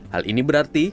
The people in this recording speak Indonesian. hal ini berarti